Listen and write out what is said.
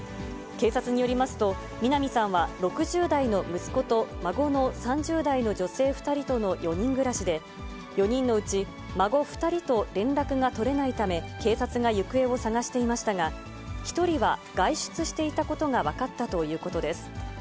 警察によりますと、南さんは、６０代の息子と孫の３０代の女性２人との４人暮らしで、４人のうち孫２人と連絡が取れないため、警察が行方を捜していましたが、１人は外出していたことが分かったということです。